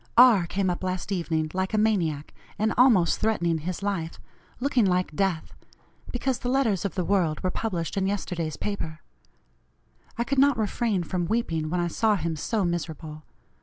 R. came up last evening like a maniac, and almost threatening his life, looking like death, because the letters of the World were published in yesterday's paper. I could not refrain from weeping when I saw him so miserable.